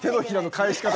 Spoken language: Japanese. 返し方。